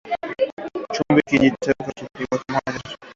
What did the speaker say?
Chumvi Kijiko cha chakula moja au kwa kama upendavyo